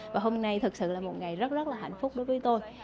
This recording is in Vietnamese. và hôm nay thật sự là một ngày rất rất là hạnh phúc đối với tôi